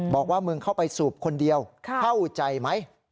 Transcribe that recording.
บอกว่ามึงเข้าไปสูบคนเดียวเข้าใจไหม